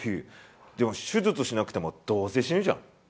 でも手術しなくても、どうせ死ぬじゃん。